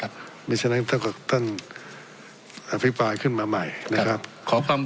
เพราะฉะนั้นต้องการท่านอภิปรายขึ้นมาใหม่นะครับ